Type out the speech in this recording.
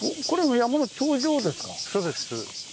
そうです。